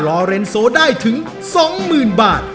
ลอเรนโซได้ถึง๒หมื่นบาท